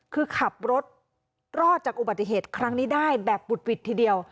คือขับรถรอดจากอุบัติเหตุครั้งนี้ได้แบบบุดหวิดทีเดียว